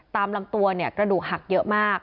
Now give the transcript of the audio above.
ตามลำตัวกระดูกหักเยอะมาก